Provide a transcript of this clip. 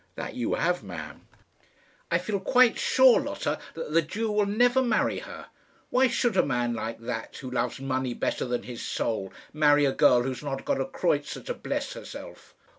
"That you have, ma'am." "I feel quite sure, Lotta, that the Jew will never marry her. Why should a man like that, who loves money better than his soul, marry a girl who has not a kreutzer to bless herself?"